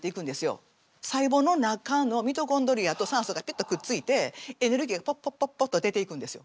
細胞の中のミトコンドリアと酸素がピュッとくっついてエネルギーがパッパッパッパッと出ていくんですよ。